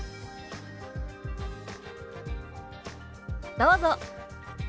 どうぞ。